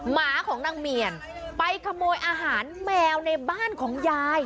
หมาของนางเมียนไปขโมยอาหารแมวในบ้านของยาย